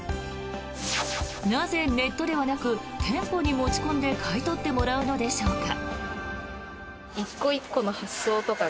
なぜネットではなく店舗に持ち込んで買い取ってもらうのでしょうか。